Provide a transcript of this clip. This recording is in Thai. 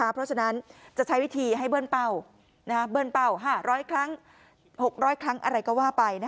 เพราะฉะนั้นจะใช้วิธีให้เบิ้ลเป้า๕๐๐๖๐๐ครั้งอะไรก็ว่าไป